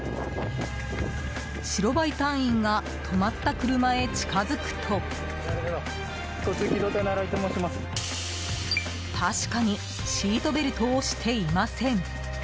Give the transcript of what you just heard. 白バイ隊員が止まった車へ近づくと確かにシートベルトをしていません。